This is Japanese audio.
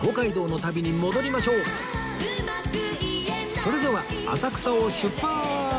それでは浅草を出発！